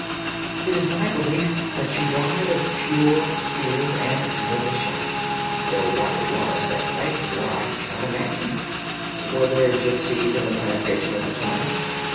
"It is my belief that she died of pure fear and nervous shock, though what it was that frightened her I cannot imagine." "Were there gipsies in the plantation at the time?"